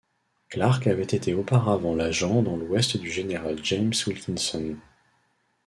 Clarke avait été auparavant l'agent dans l'ouest du général James Wilkinson.